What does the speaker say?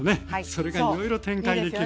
それがいろいろ展開できると。